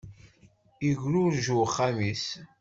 Igrurej uxxam-is.